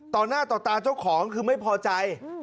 ต่อหน้าต่อตาเจ้าของคือไม่พอใจ